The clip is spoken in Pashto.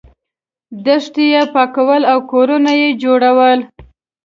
دښتې یې پاکولې او کورونه یې جوړول.